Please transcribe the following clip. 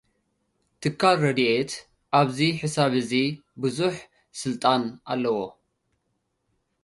ትካል ረድኤት፡ ኣብዚ ሕሳብ'ዚ ብዙሕ ስልጣን ኣለዋ።